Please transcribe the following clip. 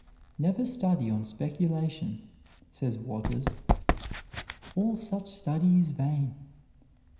"Never study on speculation," says Waters; "all such study is vain.